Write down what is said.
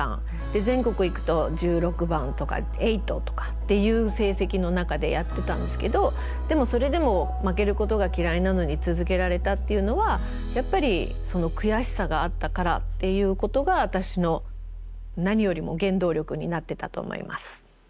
全国行くと１６番とかエイトとかっていう成績の中でやってたんですけどでもそれでも負けることが嫌いなのに続けられたっていうのはやっぱりその悔しさがあったからっていうことが私の何よりも原動力になってたと思います。